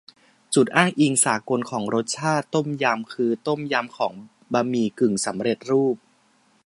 จุดอ้างอิงสากลของรสชาติต้มยำ คือต้มยำของบะหมี่กึ่งสำเร็จรูป